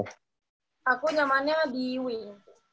aku nyamannya di wing